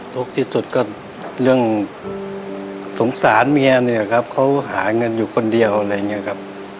ทุกข์ที่สุดก็เรื่องสงสารเมียเนี่ยครับเขาหาเงินอยู่คนเดียวอะไรอย่างนี้ครับ